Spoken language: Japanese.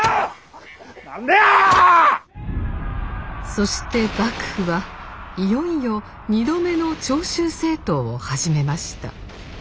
そして幕府はいよいよ２度目の長州征討を始めました。